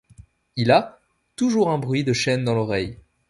Il a. toujours un bruit de chaînes dans l’oreille